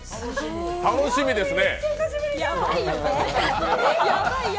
楽しみですね。